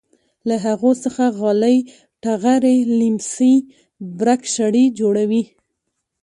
له هغو څخه غالۍ ټغرې لیمڅي برک شړۍ جوړوي.